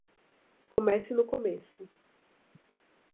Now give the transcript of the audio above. Comece no começo.